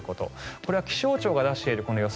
これ、気象庁が出している予想